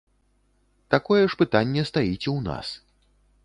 Такое ж пытанне стаіць і ў нас.